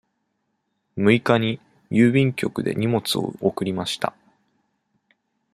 六日に郵便局で荷物を送りました。